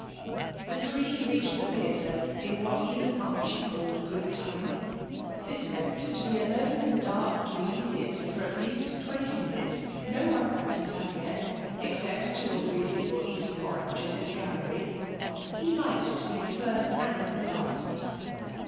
The three reached the theatre in what even Archie called good time. This meant to be alone in the dark, gloomy theatre for at least twenty minutes, no one present as yet, except two or three people eating oranges in the gallery. He liked to be the first and the last.